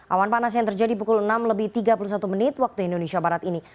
awan panas yang terjadi pukul enam lebih tiga puluh satu menit waktu indonesia barat ini